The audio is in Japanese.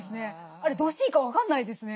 あれどうしていいか分かんないですね。